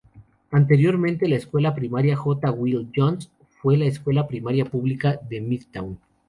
Anteriormente la Escuela Primaria J. Will Jones fue la escuela primaria pública de Midtown.